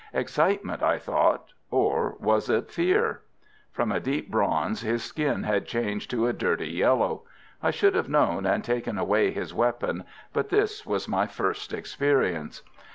Excitement, I thought or was it fear? From a deep bronze his skin had changed to a dirty yellow. I should have known and taken away his weapon, but this was my first experience.